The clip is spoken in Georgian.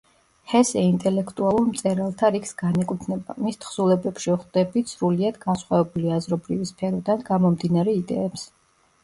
ჰესე ინტელექტუალურ მწერალთა რიგს განეკუთვნება; მის თხზულებებში ვხვდებით სრულიად განსხვავებული აზრობრივი სფეროდან გამომდინარე იდეებს.